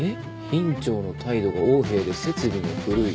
「院長の態度が横柄で設備も古い」ああ。